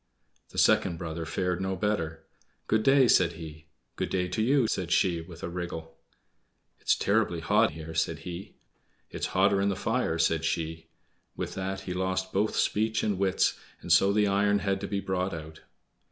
The second brother fared no better. "Good day!" said he. "Good day to you," said she, with a wriggle. "It's terribly hot here!" said he. "It's hotter in the fire," said she. With that he lost both speech and wits, and so the iron had to be brought out.